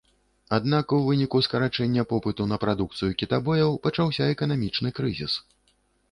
Аднак у выніку скарачэння попыту на прадукцыю кітабояў пачаўся эканамічны крызіс.